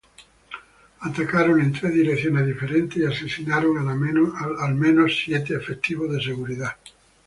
Atacaron en tres direcciones diferentes y asesinaron a al menos siete efectivos de seguridad.